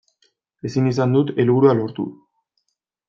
Ezin izan dut helburua lortu.